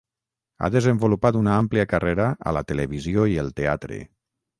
Ha desenvolupat una àmplia carrera a la televisió i el teatre.